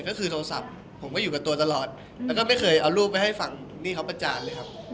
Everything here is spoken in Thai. ก็คือโทรศัพท์ผมก็อยู่กับตัวตลอดแล้วก็ไม่เคยเอารูปไปให้ฝั่งนี่เขาประจานเลยครับ